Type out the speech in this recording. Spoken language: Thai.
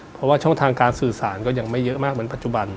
เพราะว่าช่องทางการสื่อสารก็ยังไม่เยอะมากเหมือนปัจจุบัน